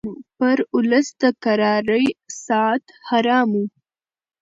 پر اولس د کرارۍ ساعت حرام وو